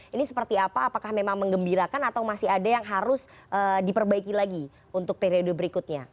ini seperti apa apakah memang mengembirakan atau masih ada yang harus diperbaiki lagi untuk periode berikutnya